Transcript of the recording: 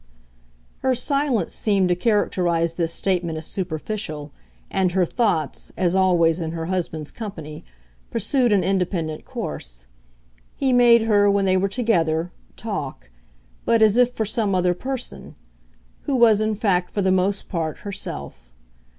Her silence seemed to characterise this statement as superficial, and her thoughts, as always in her husband's company, pursued an independent course. He made her, when they were together, talk, but as if for some other person; who was in fact for the most part herself.